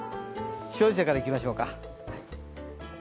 気象衛星からいきましょうか。